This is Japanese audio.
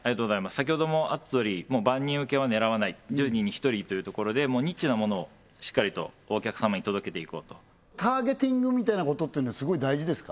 先ほどもあったとおりもう万人ウケは狙わない１０人に１人というところでもうニッチなものをしっかりとお客様に届けていこうとターゲティングみたいなことっていうのはすごい大事ですか？